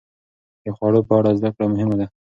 د خوړو په اړه زده کړه مهمه ده.